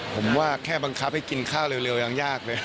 ผมว่าแค่บังคับให้กินข้าวเร็วยังยากเลย